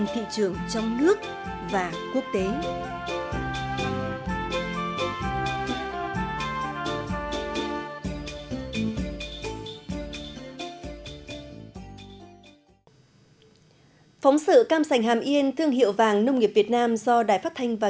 phóng sự cam sành hàm yên thương hiệu vàng nông nghiệp việt nam do đài phát thanh và